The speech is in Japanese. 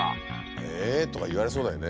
「ええ」とか言われそうだよね。